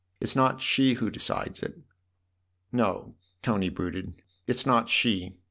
It's not she who decides it." "No," Tony brooded; "it's not she.